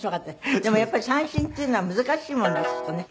でもやっぱり三線っていうのは難しいもんですってね。